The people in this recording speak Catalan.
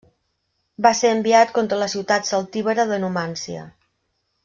Va ser enviat contra la ciutat celtibera de Numància.